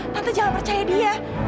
tante jangan percaya dia